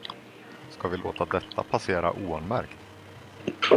Ska vi låta detta passera oanmärkt?